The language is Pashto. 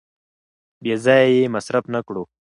بې ځایه یې مصرف نه کړو.